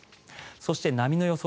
そして、波の予想